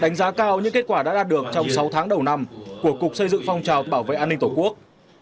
đánh giá cao những kết quả đã đạt được trong sáu tháng đầu năm của cục xây dựng phong trào bảo vệ an ninh tổ quốc